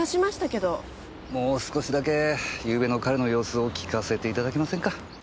もう少しだけゆうべの彼の様子を聞かせていただけませんか。